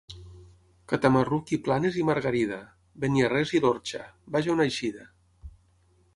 Catamarruc i Planes i Margarida; Beniarrés i l'Orxa, vaja una eixida.